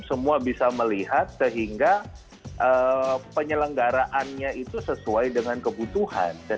semua bisa melihat sehingga penyelenggaraannya itu sesuai dengan kebutuhan